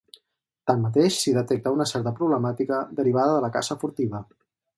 Tanmateix, s'hi detecta una certa problemàtica derivada de la caça furtiva.